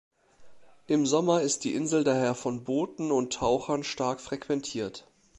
Im Sommer ist die Insel daher von Booten und Tauchern stark frequentiert.